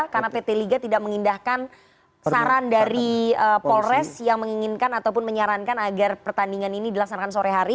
karena pt liga tidak mengindahkan saran dari polres yang menginginkan ataupun menyarankan agar pertandingan ini dilaksanakan sore hari